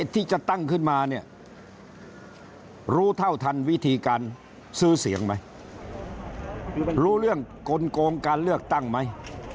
ที่จะตั้งขึ้นมาเนี่ยรู้เท่าทันวิธีการซื้อเสียงไหมรู้เรื่องกลงการเลือกตั้งไหม